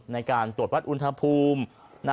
ในการตรวจวัดอุณหภูมิ